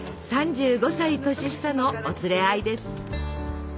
３５歳年下のお連れ合いです。